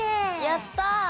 やった！